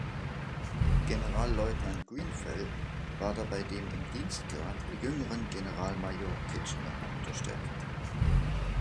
Generalleutnant Grenfell war dabei dem im Dienstgrad jüngeren Generalmajor Kitchener unterstellt.